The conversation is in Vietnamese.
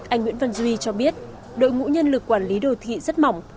anh nguyễn văn duy cho biết đội ngũ nhân lực quản lý đô thị rất mỏng